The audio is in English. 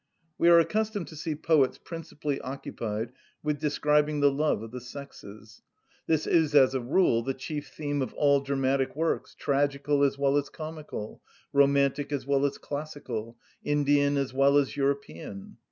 We are accustomed to see poets principally occupied with describing the love of the sexes. This is as a rule the chief theme of all dramatic works, tragical as well as comical, romantic as well as classical, Indian as well as European.